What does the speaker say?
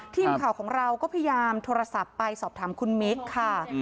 ทีมข่าวของเราก็พยายามโทรศัพท์ไปสอบถามคุณมิคค่ะ